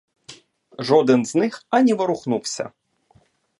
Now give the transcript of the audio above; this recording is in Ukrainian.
Жоден з них ані ворухнувся.